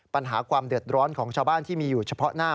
ปัญหาความเดือดร้อนของชาวบ้านที่มีอยู่เฉพาะหน้า